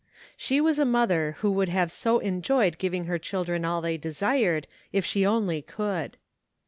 She was a mother who would have so en joyed giving her children all they desired, if she only could.